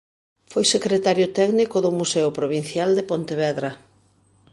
Foi secretario técnico do Museo Provincial de Pontevedra.